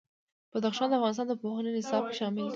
بدخشان د افغانستان د پوهنې نصاب کې شامل دي.